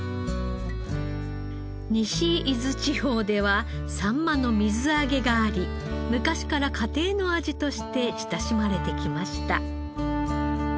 西伊豆地方ではサンマの水揚げがあり昔から家庭の味として親しまれてきました。